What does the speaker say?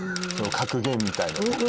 格言みたいなね